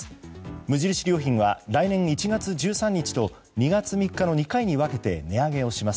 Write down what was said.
無印良品は来年１月１３日と２月３日の２回に分けて値上げをします。